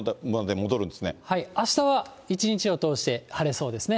あしたは一日を通して晴れそうですね。